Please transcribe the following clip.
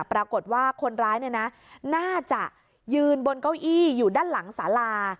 ปรากฏว่าคนร้ายน่าจะยืนบนเก้าอี้อยู่ด้านหลังสารา